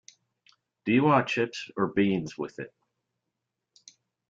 Do you want chips or beans with it?